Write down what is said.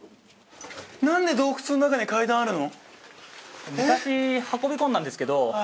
何で洞窟の中に階段あるの？